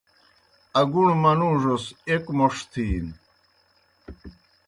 اگُݨوْ منُوڙوْس ایْک موْݜ تِھینوْ۔